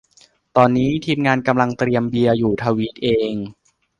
ตอนนี้ทีมงานกำลังเตรียมเบียร์อยู่ ทวีตเอง